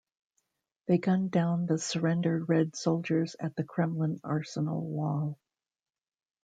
They gunned down the surrendered Red soldiers at the Kremlin Arsenal wall.